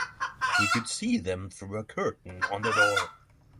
He could see them through a curtain on the door.